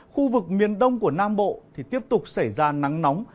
khu vực miền đông của nam bộ thì tiếp tục xảy ra nắng nóng